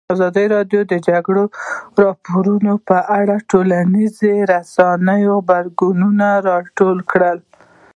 ازادي راډیو د د جګړې راپورونه په اړه د ټولنیزو رسنیو غبرګونونه راټول کړي.